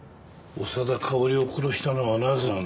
長田かおりを殺したのはなぜなんだ？